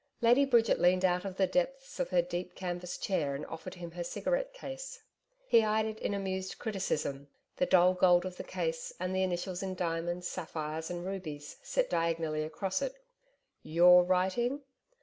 Lady Bridget leaned out of the depths of her deep canvas chair and offered him her cigarette case. He eyed it in amused criticism the dull gold of the case, and the initials in diamonds, sapphires and rubies set diagonally across it. 'YOUR writing?'